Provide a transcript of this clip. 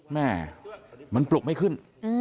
แม่มันปลุกไม่ขึ้น